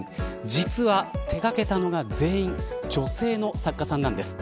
実は手掛けたのが全員女性の作家さんなんです。